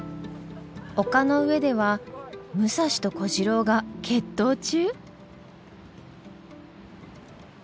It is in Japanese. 丘の上では武蔵と小次郎が決闘中！？